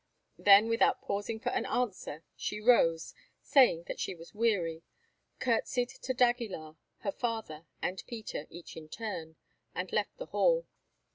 Then, without pausing for an answer, she rose, saying that she was weary, curtseyed to d'Aguilar, her father and Peter, each in turn, and left the hall.